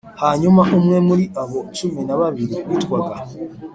Hanyuma umwe muri abo cumi na babiri witwaga